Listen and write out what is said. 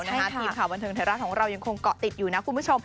ทีมข่าวบันเทิงไทยรัฐของเรายังคงเกาะติดอยู่นะคุณผู้ชม